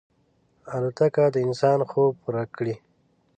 الوتکه د انسان خوب پوره کړی.